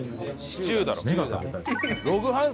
シチューだ。